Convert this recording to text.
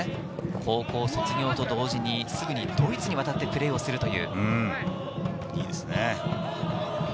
高校卒業と同時に、すぐにドイツにわたってプレーをするという。